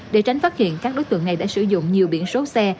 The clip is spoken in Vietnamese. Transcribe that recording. để tránh phát hiện các đối tượng này đã sử dụng nhiều biển số xe